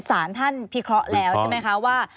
สารท่านพิเคราะห์แล้วใช่ไหมคะว่า